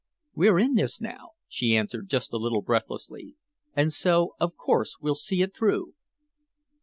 "We're in this now," she answered, just a little breathlessly. "And so of course we'll see it through."